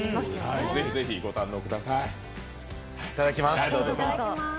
ぜひぜひご堪能ください。